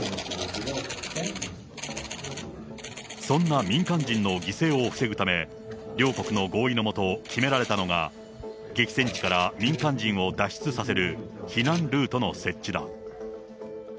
そんな民間人の犠牲を防ぐため、両国の合意のもと決められたのが、激戦地から民間人を脱出させる避難ルートの設置だ。